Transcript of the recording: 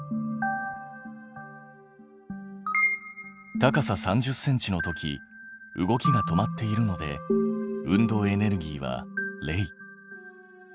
高さ３０ｃｍの時動きが止まっているので運動エネルギーは０。